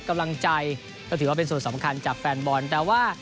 กำลังใจก็ถือว่าเป็นส่วนสำคัญจากแฟนบอลแต่ว่า